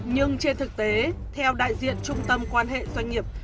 nhưng trên thực tế theo đại diện trung tâm quan hệ doanh nghiệp